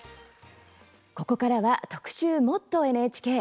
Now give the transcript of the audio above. ここからは特集「もっとＮＨＫ」。